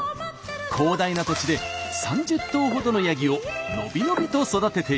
広大な土地で３０頭ほどのやぎをのびのびと育てています。